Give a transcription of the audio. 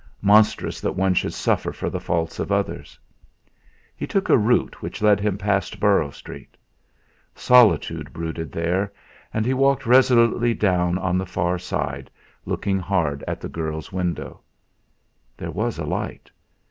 Monstrous that one should suffer for the faults of others!' He took a route which led him past Borrow Street. Solitude brooded there, and he walked resolutely down on the far side, looking hard at the girl's window. There was a light.